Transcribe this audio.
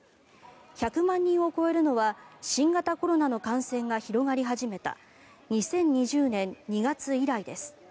１００万人を超えるのは新型コロナの感染が広がり始めた２０２０年２月以来です。